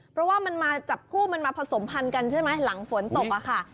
เพราะว่ามันมาจับคู่มันมาผสมพันธุ์กันใช่ไหมหลังฝนตกอะค่ะ